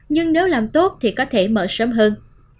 nhưng nếu làm tốt thì có thể mở sớm hơn